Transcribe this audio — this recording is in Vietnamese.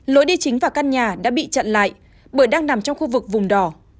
lối đi chính vào căn nhà đã bị chặn lại bởi đang nằm trong khu vực vùng đỏ